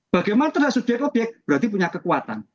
bagaimana terhadap subjek objek berarti punya kekuatan